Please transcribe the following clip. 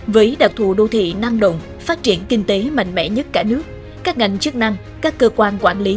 với đặc thù đô thị năng động phát triển kinh tế mạnh mẽ nhất cả nước các ngành chức năng các cơ quan quản lý